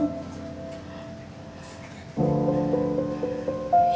tapi radit cinta sama kamu